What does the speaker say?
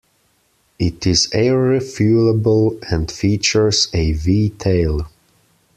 It is air refuelable and features a V-tail.